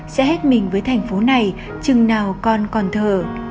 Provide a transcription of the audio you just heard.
sẽ hết mình với thành phố này chừng nào con còn thở